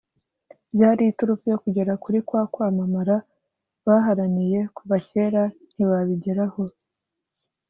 byari iturufu yo kugera kuri kwa kwamamara baharaniye kuva cyera ntibabigereho